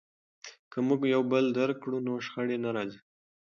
که موږ یو بل درک کړو نو شخړې نه راځي.